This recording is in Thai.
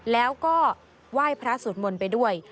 แล้วก็ไหว้พระสวดมนต์ไปด้วย